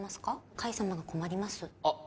海様が困りますあっ